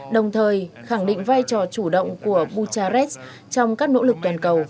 đồng thời khẳng định vai trò chủ động của bucharest trong các nỗ lực toàn cầu